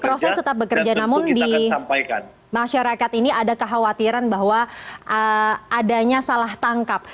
proses tetap bekerja namun di masyarakat ini ada kekhawatiran bahwa adanya salah tangkap